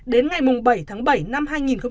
đến ngày bảy tháng bảy năm hai nghìn hai mươi